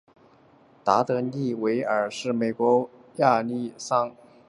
达德利维尔是位于美国亚利桑那州皮纳尔县的一个人口普查指定地区。